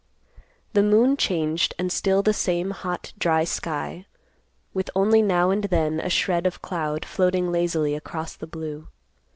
The moon changed and still the same hot dry sky, with only now and then a shred of cloud floating lazily across the blue.